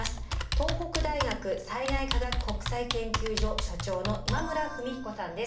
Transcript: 東北大学災害科学国際研究所所長の今村文彦さんです。